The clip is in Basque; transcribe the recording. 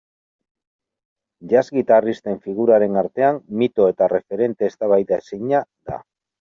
Jazz gitarristen figuraren artean mito eta erreferente eztabaidaezina da.